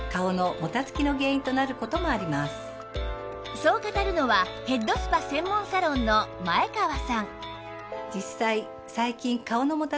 そう語るのはヘッドスパ専門サロンの前川さん